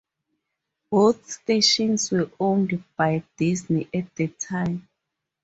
Both stations were owned by Disney at the time.